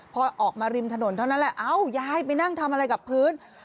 พอออกมาริมถนนเท่านั้นแหละเอ้ายายไปนั่งทำอะไรกับพื้น